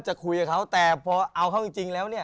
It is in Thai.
จะคุยกับเขาแต่พอเอาเขาจริงแล้วเนี่ย